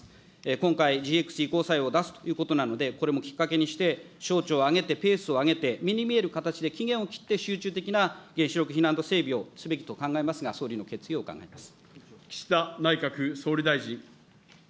今回、ＧＸ移行債を出すということなので、これもきっかけにして、省庁をあげて、ペースを上げて、目に見える形で期限を切って集中的な原子力避難道整備をすべきと考えますが、総理の決意を伺います。